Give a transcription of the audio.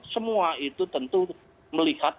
semua itu tentu melihat